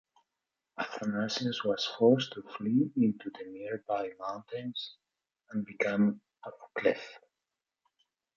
Athanasios was forced to flee into the nearby mountains and become a klepht.